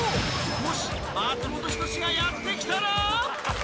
もし、松本人志がやって来たら。